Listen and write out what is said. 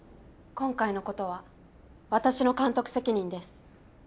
今回のことは私の監督責任です。